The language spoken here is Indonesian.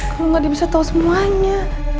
kalau gak dia bisa tahu semuanya